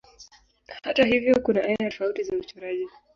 Hata hivyo kuna aina tofauti za uchoraji.